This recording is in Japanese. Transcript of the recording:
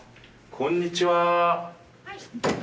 こんにちは。